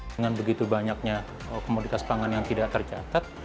dengan begitu banyaknya komoditas pangan yang tidak tercatat